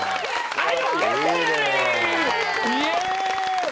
はい！